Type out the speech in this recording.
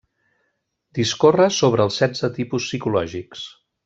Discorre sobre els setze tipus psicològics.